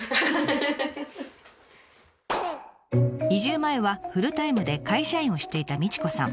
移住前はフルタイムで会社員をしていた道子さん。